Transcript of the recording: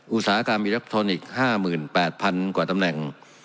อุตสาหกรรมอิเล็กทรอนิกส์ห้าหมื่นแปดพันกว่าตำแหน่ง